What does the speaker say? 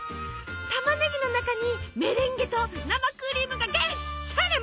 たまねぎの中にメレンゲと生クリームがぎっしり！